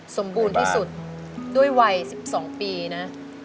สมบูรณ์ที่สุดด้วยวัย๑๒ปีนะ